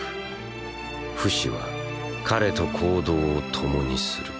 フシは彼と行動を共にする。